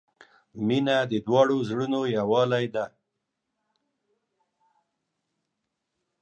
• مینه د دواړو زړونو یووالی دی.